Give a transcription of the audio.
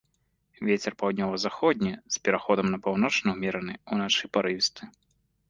Вецер паўднёва-заходні з пераходам на паўночны ўмераны, уначы парывісты.